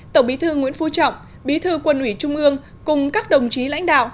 tổng bí thư nguyễn phú trọng bí thư quân ủy trung ương cùng các đồng chí lãnh đạo